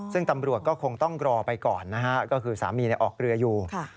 ซึ่งตำรวจก็คงต้องรอไปก่อนนะฮะก็คือสามีออกเรืออยู่